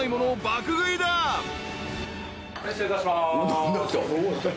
失礼いたします。